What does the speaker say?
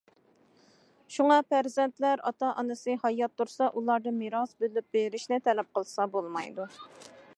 شۇڭا پەرزەنتلەر ئاتا- ئانىسى ھايات تۇرسا ئۇلاردىن مىراس بۆلۈپ بېرىشنى تەلەپ قىلسا بولمايدۇ.